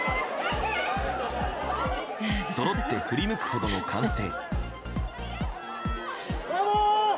そろって振り向くほどの歓声。